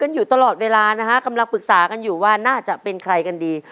อยู่ตลอดเวลานะฮะกำลังปรึกษากันอยู่ว่าน่าจะเป็นใครกันดี